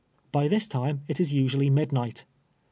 By this time it is usually midnight.